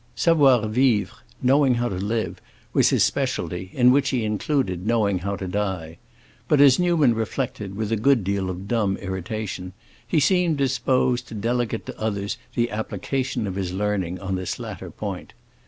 Savoir vivre—knowing how to live—was his specialty, in which he included knowing how to die; but, as Newman reflected, with a good deal of dumb irritation, he seemed disposed to delegate to others the application of his learning on this latter point.